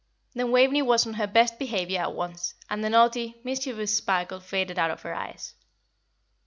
Then Waveney was on her best behaviour at once, and the naughty, mischievous sparkle faded out of her eyes.